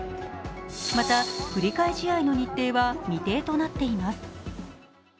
また、振替試合の日程は未定となっています。